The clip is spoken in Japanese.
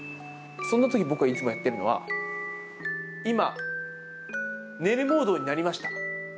そんなとき、僕はいつもやってるのは、今、寝るモードになりました。